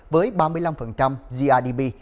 với ba mươi năm grdp